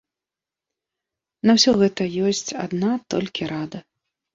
На ўсё гэта ёсць адна толькі рада.